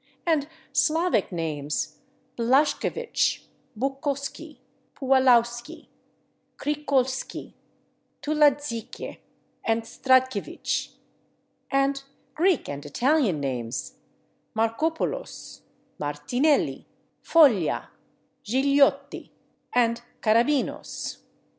And Slavic names: /Blaszkiewicz/, /Bukosky/, /Puwalowski/, /Krzykolski/, /Tuladziecke/ and /Stratkiewicz/. And Greek and Italian names: /Markopoulos/, /Martinelli/, /Foglia/, /Gigliotti/ and /Karabinos